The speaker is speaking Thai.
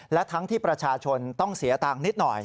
และทั้งที่ประชาชนต้องเสียตังค์นิดหน่อย